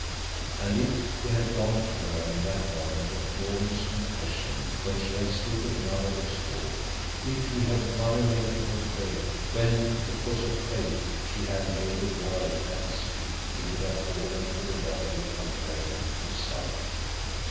And if he had gone to her in that moment of glorious confession when she had stood at Nawadlook's door, if he had violated her faith when, because of faith, she had laid the world at his feet, he would have fallen to the level of John Graham himself.